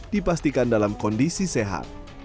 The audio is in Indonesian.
dipastikan dalam kondisi sehat